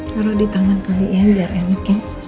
taruh di tangan kali ya biar enak ya